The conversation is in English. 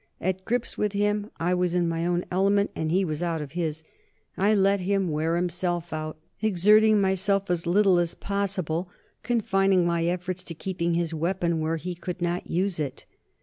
At grips with him, I was in my own element, and he was out of his. I let him wear himself out, exerting myself as little as possible, confining my efforts to keeping his weapon where he could not use it.